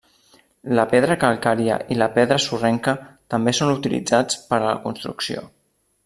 La pedra calcària i la pedra sorrenca també són utilitzats per a la construcció.